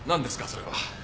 それは。